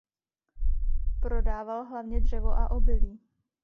Prodával hlavně dřevo a obilí.